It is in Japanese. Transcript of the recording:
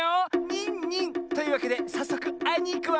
ニンニン！というわけでさっそくあいにいくわ。